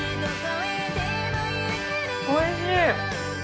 おいしい！